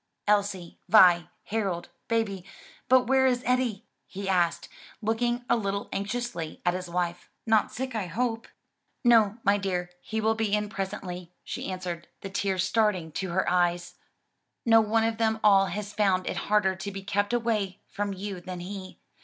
"Elsie, Vi, Harold, baby but where is Eddie?" he asked, looking a little anxiously at his wife; "not sick, I hope?" "No, my dear, he will be in presently," she answered, the tears starting to her eyes, "no one of them all has found it harder to be kept away from you than he.